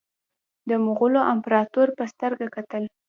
د مغولو امپراطور په سترګه کتل.